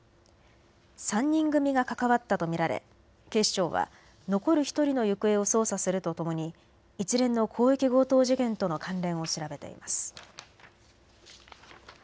３人組が関わったと見られ警視庁は残る１人の行方を捜査するとともに一連の広域強盗事件との関連を調べています。